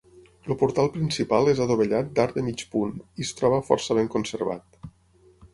El portal principal és adovellat d'arc de mig punt i es troba força ben conservat.